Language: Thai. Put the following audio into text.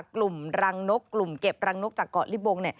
กลุ่มรังนกกลุ่มเก็บรังนกจากเกาะลิบง